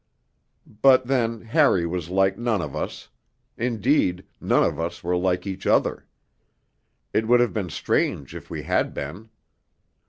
But then Harry was like none of us; indeed, none of us were like each other. It would have been strange if we had been.